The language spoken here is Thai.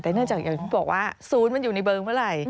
แต่เนื่องจากอย่างที่บอกว่าศูนย์มันอยู่ในเบิงเมื่อไหร่